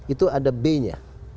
itu ada b nya